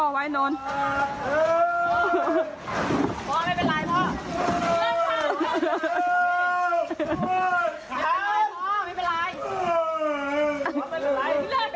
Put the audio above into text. ไม่เป็นไรพ่อไม่เป็นไรพ่อ